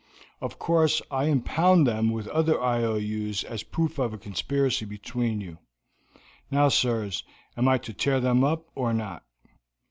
Of course I impound them with the other IOUs as proof of a conspiracy between you. Now, sirs, am I to tear them up or not?"